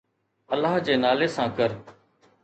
الله جي نالي سان ڪر